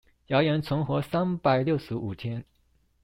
謠言存活三百六十五天